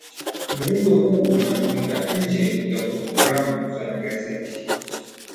muundo huu unatumika nje ya programu ya nagazeti